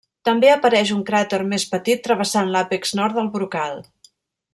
També apareix un cràter més petit travessant l'àpex nord del brocal.